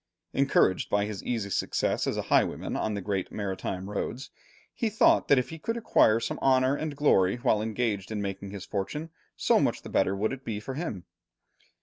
Encouraged by his easy success as a highwayman on the great maritime roads, he thought that if he could acquire some honour and glory while engaged in making his fortune, so much the better would it be for him.